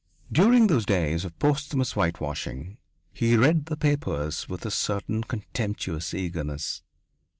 During those days of posthumous whitewashing he read the papers with a certain contemptuous eagerness.